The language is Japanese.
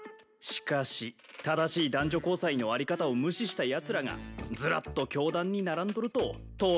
しかし正しい男女交際の在り方を無視したやつらがずらっと教壇に並んどると討論する気も薄れるわな。